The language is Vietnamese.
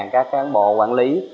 một nghìn các cán bộ quản lý